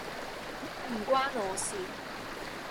唔關我事